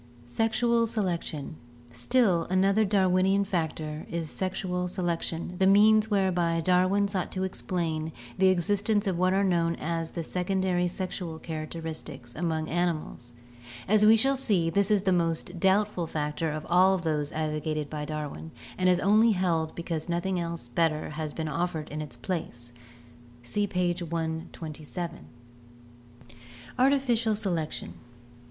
Sexual Selection. — Still another Darwinian factor is sexual selection, the means whereby Darwin sought to explain the exist ence of what are known as the secondary sexual characteristics among animals. As we shall see, this is the most doubtful factor of all of those advocated by Darwin and is only held because noth ing better has been offered in its place (see page 127). Artificial Selection.